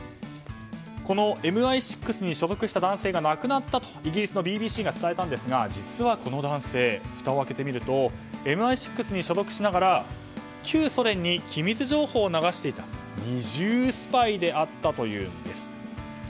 このＭＩ６に所属した男性が亡くなったとイギリスのＢＢＣが伝えたんですが、実はこの男性ふたを開けてみるとＭＩ６に所属しながら旧ソ連に機密情報を流していた二重スパイであったというんです。